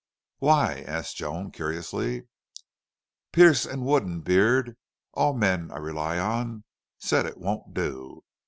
"Why?" asked Joan, curiously. "Pearce and Wood and Beard, all men I rely on, said it won't do.